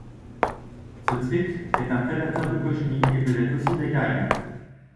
Ce thrips est un prédateur de cochenilles et peut-être aussi d'acariens.